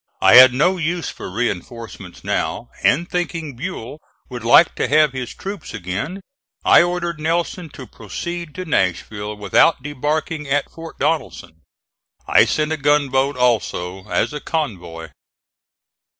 I had no use for reinforcements now, and thinking Buell would like to have his troops again, I ordered Nelson to proceed to Nashville without debarking at Fort Donelson. I sent a gunboat also as a convoy.